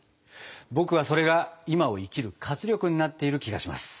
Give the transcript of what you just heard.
僕はそれが今を生きる活力になっている気がします。